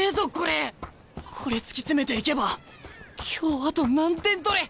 これ突き詰めていけば今日あと何点取れ。